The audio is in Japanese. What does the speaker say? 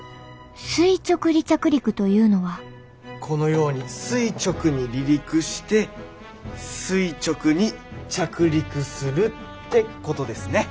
垂直離着陸というのはこのように垂直に離陸して垂直に着陸するってことですね。